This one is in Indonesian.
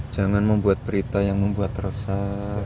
jangan membuat berita yang membuat resah